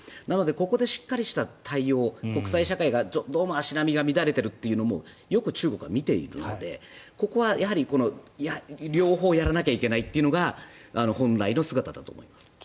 なのでここでしっかりした対応国際社会がどうも足並みが乱れているというのもよく中国は見ているのでここは両方やらなきゃいけないというのが本来の姿だと思います。